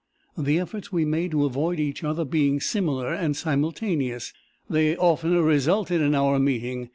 The efforts we made to avoid each other being similar and simultaneous, they oftener resulted in our meeting.